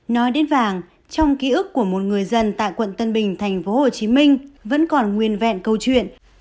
nói đến vàng trong ký ức của một người dân tại quận tân bình thành phố hồ chí minh vẫn còn nguyên vẹn câu chuyện